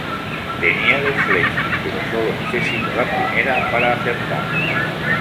Tenía dos flechas, pero solo necesitó la primera para acertar.